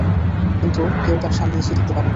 কিন্তু কেউ তার সামনে এসে টিকতে পারেনি।